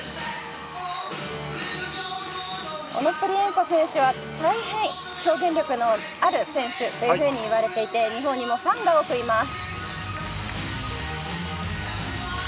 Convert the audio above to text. オノプリエンコ選手は大変表現力のある選手というふうにいわれていて日本にもファンが多くいます。